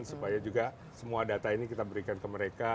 supaya juga semua data ini kita berikan ke mereka